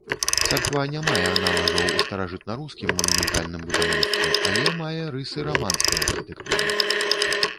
Царква не мае аналагаў у старажытна-рускім манументальным будаўніцтве, але мае рысы раманскай архітэктуры.